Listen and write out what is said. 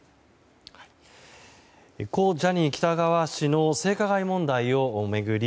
故ジャニー喜多川氏の性加害問題を巡り